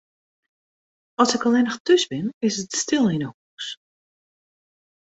As ik allinnich thús bin, is it stil yn 'e hûs.